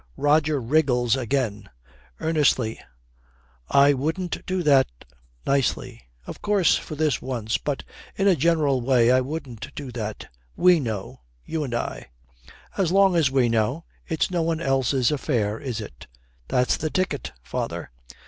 Roger wriggles again. Earnestly, 'I wouldn't do that.' Nicely, 'Of course for this once but in a general way I wouldn't do that. We know, you and I.' 'As long as we know, it's no one else's affair, is it?' 'That's the ticket, father.'